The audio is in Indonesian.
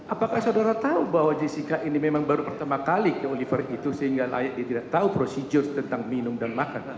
apakah saudara tahu bahwa jessica ini memang baru pertama kali ke oliver itu sehingga layak dia tidak tahu prosedur tentang minum dan makan